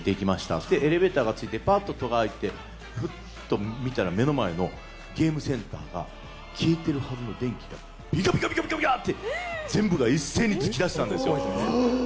そしてエレベーターがついてぱっとドアが開いて、ふっと見たら、目の前のゲームセンターが、消えてるはずの電気がびかびかびかって、全部が一斉につきだしたんですよ。